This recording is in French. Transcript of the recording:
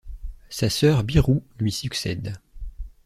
Sa sœur Biru lui succède.